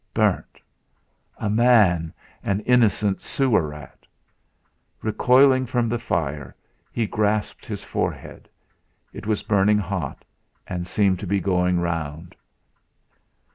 Burnt? A man an innocent sewer rat! Recoiling from the fire he grasped his forehead. It was burning hot and seemed to be going round.